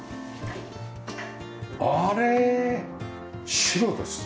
あれ白ですね。